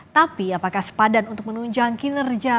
tapi apakah sepadan untuk menunjang kinerja